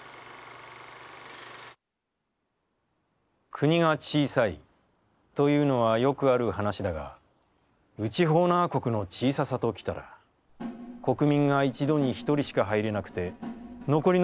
「国が小さい、というのはよくある話だが、内ホーナー国の小ささときたら、国民が一度に一人しか入れなくて、残りの六人は内